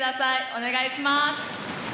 お願いします。